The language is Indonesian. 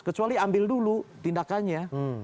kecuali ambil dulu tindakannya